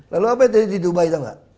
lalu apa ya tadi di dubai tau gak